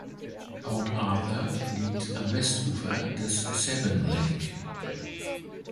Port Arthur liegt am Westufer des Sabine Lake.